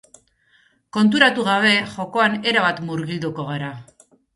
Konturatu gabe, jokoan erabat murgilduko gara.